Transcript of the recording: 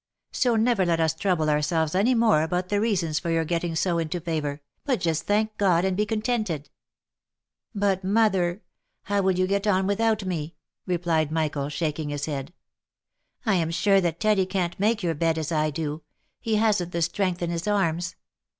So never let us trouble ourselves any more about the reasons for your getting so into favour, but just thank God, and be contented." " But mother ! How will you get on without me V replied Michael, shaking his head; "I am sure that Teddy can't make your bed as I do — he hasn't the strength in his arms.